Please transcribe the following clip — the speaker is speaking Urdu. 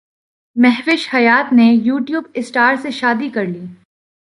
مہوش حیات نے یوٹیوب اسٹار سے شادی کرلی